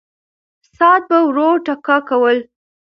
ساعت به ورو ټکا کوله.